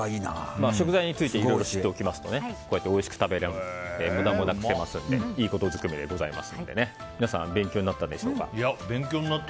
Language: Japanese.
食材についていろいろ知っておきますとこうやっておいしく食べれて無駄もなくせますのでいいことづくめでございますので皆さん勉強になったでしょうか。